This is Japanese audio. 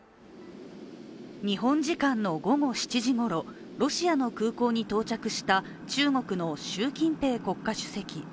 日本時間の午後７時ごろ、ロシアの空港に到着した中国の習近平国家主席。